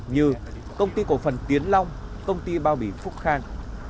như công ty cổ phần tiến long công ty bao bì phúc khang